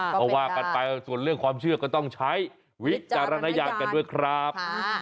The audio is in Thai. เพราะว่ากันไปส่วนเรื่องความเชื่อก็ต้องใช้วิจารณญาณกันด้วยครับ